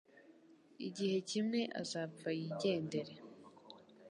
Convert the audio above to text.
Igihe kimwe azapfa yigendere